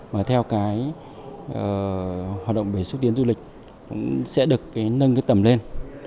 và theo cái hoạt động về xúc tiến du lịch sẽ được nâng cái tầm lên